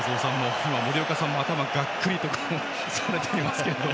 今、森岡さんも頭をがっくりとされていますが。